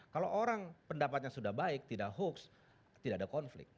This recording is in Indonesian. kalau orang pendapatnya sudah baik tidak hoax tidak ada konflik